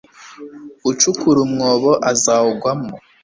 ucukura umwobo, azawugwamo